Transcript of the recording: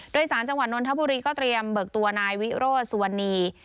โดยสารจังหวัดนนทบุรีก็เตรียมเบิกตัวนายวิโรธสุวรรณี